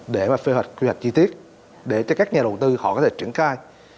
để mà phê hoạch quy hoạch chi tiết để cho các nhà đầu tư họ có thể trưởng cài